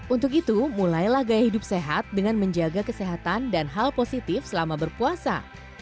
untuk itu mulailah gaya hidup sehat dengan menjaga kesehatan dan hal positif selama berpuasa